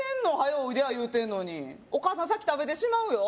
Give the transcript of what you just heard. おいでや言うてんのにお母さん先食べてしまうよ